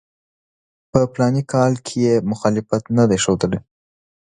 په فلاني کال کې یې مخالفت نه دی ښودلی.